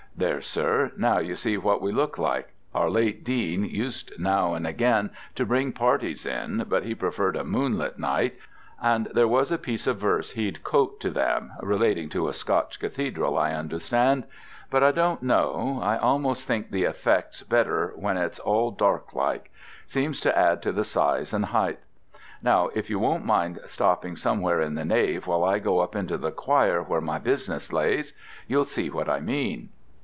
There, sir, now you see what we look like; our late Dean used now and again to bring parties in, but he preferred a moonlight night, and there was a piece of verse he'd coat to 'em, relating to a Scotch cathedral, I understand; but I don't know; I almost think the effect's better when it's all dark like. Seems to add to the size and heighth. Now if you won't mind stopping somewhere in the nave while I go up into the choir where my business lays, you'll see what I mean."